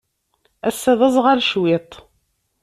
Ass-a, d aẓɣal cwiṭ.